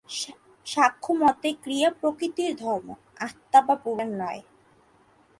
সাংখ্য-মতে ক্রিয়া প্রকৃতির ধর্ম, আত্মা বা পুরুষের নয়।